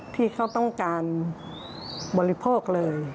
ที่เขาต้องการบริโภคเลย